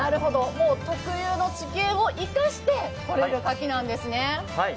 特有の地形を生かして取れる牡蠣なんですね。